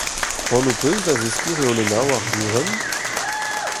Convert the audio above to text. C'hoant ho peus da zeskiñ reolennoù ar gouren ?